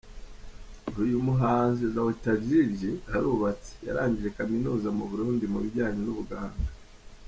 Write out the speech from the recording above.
Uyu muhanzi Dr Jiji, arubatse, yarangije Kaminuza mu Burundi mu bijyanye n’ubuganga.